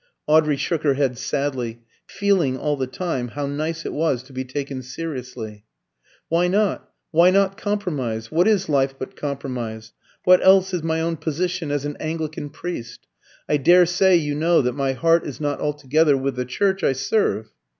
Audrey shook her head sadly, feeling all the time how nice it was to be taken seriously. "Why not? Why not compromise? What is life but compromise? What else is my own position as an Anglican priest? I daresay you know that my heart is not altogether with the Church I serve?"